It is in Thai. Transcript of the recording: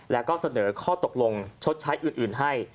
แล้วก็เสนอข้อตกลงชดใช้อื่นให้